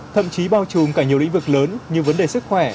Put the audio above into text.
thậm chí bao trùm cả nhiều lĩnh vực lớn như vấn đề sức khỏe